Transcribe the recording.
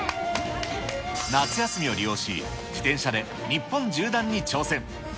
夏休みを利用し、自転車で日本縦断に挑戦。